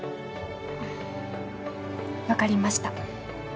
わかりました。